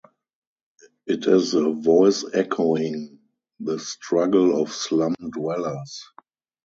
It is a voice echoing the struggle of slum-dwellers.